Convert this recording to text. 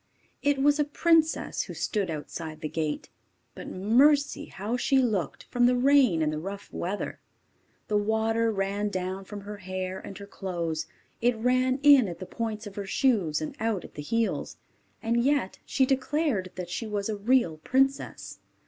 It was a princess who stood outside the gate. But, mercy! how she looked, from the rain and the rough weather! The water ran down from her hair and her clothes; it ran in at the points of her shoes, and out at the heels; and yet she declared that she was a real princess.